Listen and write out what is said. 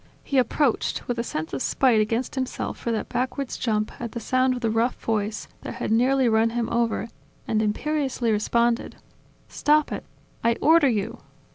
He approached, with a sense of spite against himself for that backwards jump at the sound of the rough voice that had nearly run him over, and imperiously responded: "Stop it! I order you!"